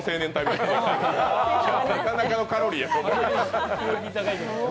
なかなかのカロリー。